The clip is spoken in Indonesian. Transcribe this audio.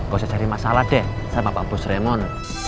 gak usah cari masalah deh sama pak bus remon